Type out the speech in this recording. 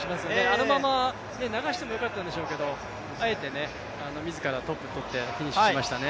あのまま流してもよかったんでしょうけど、あえて自らトップ取ってフィニッシュしましたね。